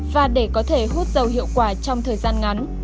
và để có thể hút dầu hiệu quả trong thời gian ngắn